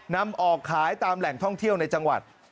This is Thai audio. นำออกขายตามแหล่งท่องเที่ยวในจังหวัด